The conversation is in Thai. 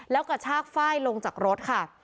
แล้วก็ชากฝ้ายลงจากรถค่ะ